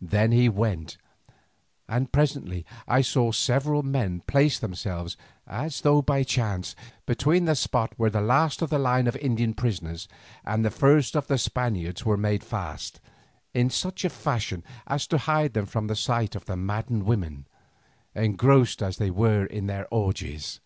Then he went, and presently I saw several men place themselves, as though by chance, between the spot where the last of the line of Indian prisoners, and the first of the Spaniards were made fast, in such a fashion as to hide them from the sight of the maddened women, engrossed as they were in their orgies.